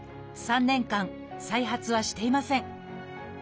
３年間再発はしていません。